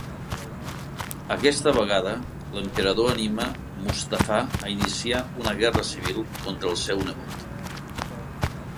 Aquesta vegada l'emperador anima Mustafà a iniciar una guerra civil contra el seu nebot.